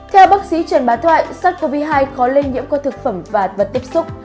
theo bác sĩ trần bá thoại sars cov hai khó lây nhiễm qua thực phẩm và vật tiếp xúc